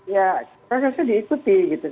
ya kasusnya diikuti gitu